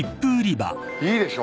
いいでしょ？